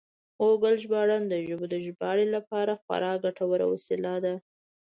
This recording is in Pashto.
ګوګل ژباړن د ژبو د ژباړې لپاره خورا ګټور وسیله ده.